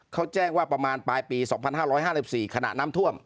เขาแจ้งว่าประมาณปลายปี๒๕๕๔ขณะน้ำท่วม